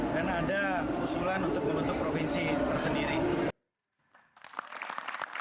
dan ada usulan untuk membentuk provinsi tersendiri